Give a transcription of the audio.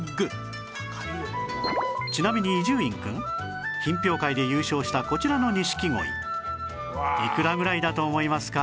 ちなみに伊集院くん品評会で優勝したこちらの錦鯉いくらぐらいだと思いますか？